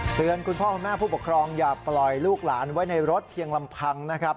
คุณพ่อคุณแม่ผู้ปกครองอย่าปล่อยลูกหลานไว้ในรถเพียงลำพังนะครับ